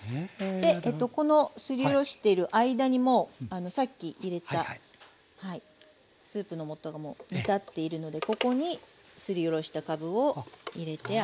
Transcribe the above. このすりおろしている間にもうさっき入れたスープの素がもう煮立っているのでここにすりおろしたかぶを入れてあげましょう。